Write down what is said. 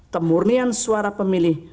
kemurnian suara pemilih